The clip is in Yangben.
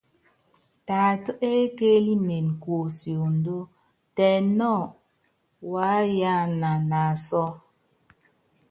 Taatá ékeélinen kuosiondó, tɛ nɔ, waá yana naasɔ́.